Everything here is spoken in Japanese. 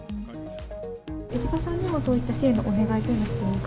石破さんにもそういった支援のお願いというのはしていかれますか。